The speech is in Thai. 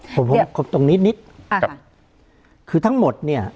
ผมคงตรงนี้นิดคือทั้งหมด